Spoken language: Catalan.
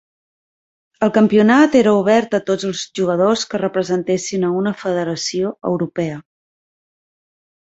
El campionat era obert a tots els jugadors que representessin a una federació europea.